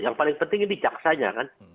yang paling penting ini jaksanya kan